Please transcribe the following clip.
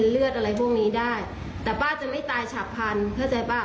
คุณผู้ชมค่ะแล้วเดี๋ยวมาเล่ารายละเอียดเพิ่มให้ฟังค่ะ